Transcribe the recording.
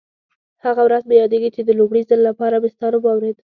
هغه ورځ مې یادېږي چې د لومړي ځل لپاره مې ستا نوم واورېد.